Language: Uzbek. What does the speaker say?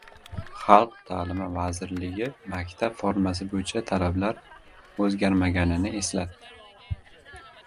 Xalq ta’limi vazirligi maktab formasi bo‘yicha talablar o‘zgarmaganini eslatdi